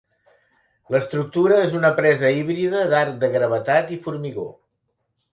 L'estructura és una presa híbrida d'arc de gravetat i formigó.